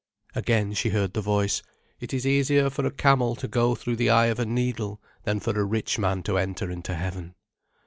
Again she heard the Voice: "It is easier for a camel to go through the eye of a needle, than for a rich man to enter into heaven."